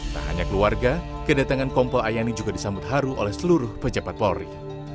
tak hanya keluarga kedatangan kompol ayani juga disambut haru oleh seluruh pejabat polri